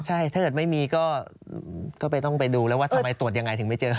ใช่ถ้าเกิดไม่มีก็ต้องไปดูแล้วว่าทำไมตรวจยังไงถึงไม่เจอ